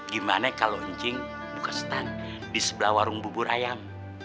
gimana kalau anjing buka stand di sebelah warung bubur ayam